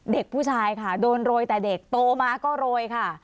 เด็กผู้ชายค่ะโดนโรยแต่เด็กโตมาก็โรยค่ะ